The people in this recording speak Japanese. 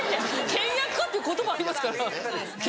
倹約って言葉ありますから。